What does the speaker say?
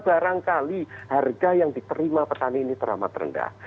barangkali harga yang diterima petani ini teramat rendah